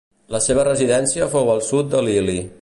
La seva residència fou al sud de l'Ili.